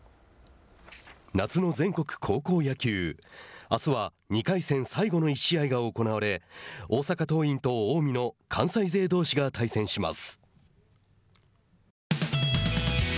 夏の全国高校野球あすは２回戦最後の１試合が行われ大阪桐蔭と近江の関西勢どうしが対戦します。